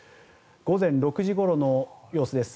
午前６時ごろの様子です。